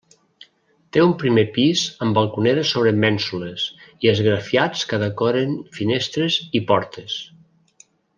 Té un primer pis amb balconera sobre mènsules, i esgrafiats que decoren finestres i portes.